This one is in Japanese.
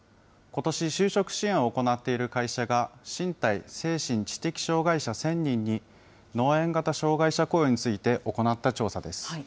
ことし、就職支援を行っている会社が、身体・精神・知的障害者１０００人に、農園型障害者雇用について行った調査です。